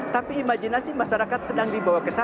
tapi imajinasi masyarakat sedang dibawa ke sana